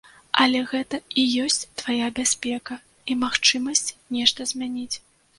Але гэта і ёсць твая бяспека і магчымасць нешта змяніць.